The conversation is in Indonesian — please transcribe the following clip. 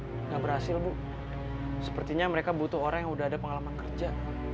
tidak berhasil bu sepertinya mereka butuh orang yang udah ada pengalaman kerja